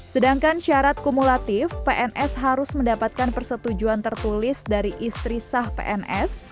sedangkan syarat kumulatif pns harus mendapatkan persetujuan tertulis dari istri sah pns